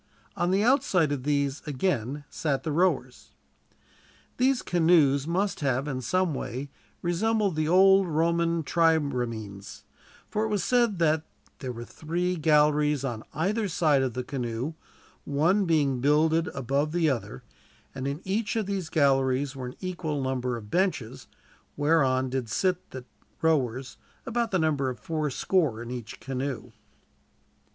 On the outside of these, again, sat the rowers. These canoes must have in some way resembled the old Roman triremes, for it is said that "there were three galleries on either side of the canoe, one being builded above the other; and in each of these galleries were an equal number of benches, whereon did sit the rowers, about the number of fourscore in each canoe."